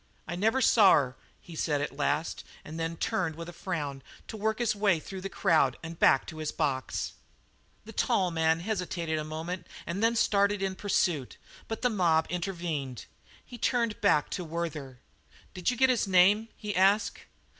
"I never saw her," he said at last, and then turned with a frown to work his way through the crowd and back to his box. The tall man hesitated a moment and then started in pursuit, but the mob intervened. He turned back to Werther. "Did you get his name?" he asked.